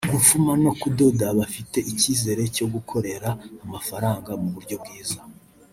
gufuma no kudoda bafite icyizere cyo gukorera amafaranga mu buryo bwiza